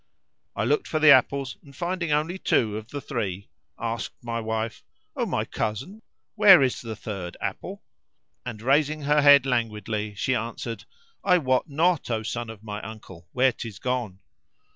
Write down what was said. I looked for the apples and finding only two of the three asked my wife, "O my cousin, where is the third apple?"; and raising her head languidly she answered, "I wot not, O son of my uncle, where 'tis gone!"